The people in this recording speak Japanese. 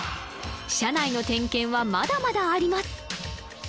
車内の点検はまだまだあります！